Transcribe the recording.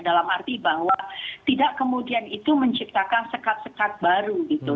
dalam arti bahwa tidak kemudian itu menciptakan sekat sekat baru gitu